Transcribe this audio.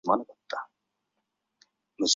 位于辽宁省本溪市本溪满族自治县偏岭乡。